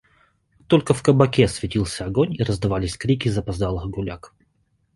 Только в кабаке светился огонь и раздавались крики запоздалых гуляк.